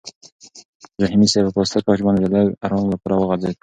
رحیمي صیب په پاسته کوچ باندې د لږ ارام لپاره وغځېد.